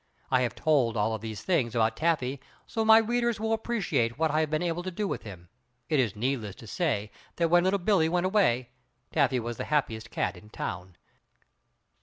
I have told all of these things about Taffy so my readers will appreciate what I have been able to do with him. It is needless to say that when Little Billie went away, Taffy was the happiest cat in town.